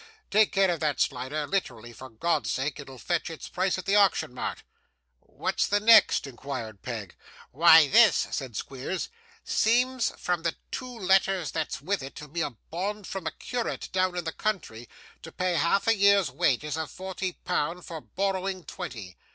Take care of that, Slider, literally for God's sake. It'll fetch its price at the Auction Mart.' 'What's the next?' inquired Peg. 'Why, this,' said Squeers, 'seems, from the two letters that's with it, to be a bond from a curate down in the country, to pay half a year's wages of forty pound for borrowing twenty.